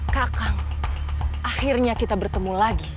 kakang akhirnya kita bertemu lagi